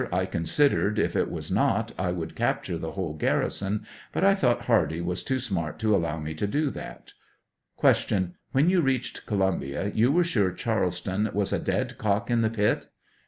I considered if it was not, I would capture the whole garrison ; but I thought Hardee was too smart to allow me to do that. Q. When you reached Columbia,: you were sure Charleston was a dead cock in the pit